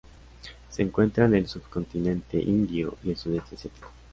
Se encuentra en el subcontinente indio y el sudeste asiático.